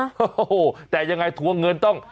โอ้โหแต่ยังไงทวงเงินต้อง